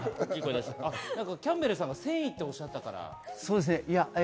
キャンベルさんが線維っておっしゃったから。